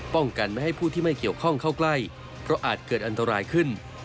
ป้องกันไม่ให้ผู้ที่ไม่เกี่ยวข้องเข้าใกล้เพราะอาจเกิดอันตรายขึ้น